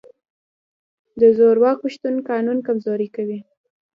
د زورواکو شتون قانون کمزوری کوي.